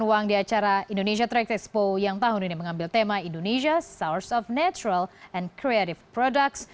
uang di acara indonesia track expo yang tahun ini mengambil tema indonesia source of natural and creative products